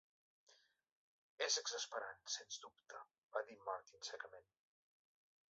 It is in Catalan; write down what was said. "És exasperant, sens dubte," va dir Martin, secament.